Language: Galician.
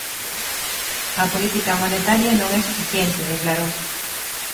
A política monetaria non é suficiente, declarou.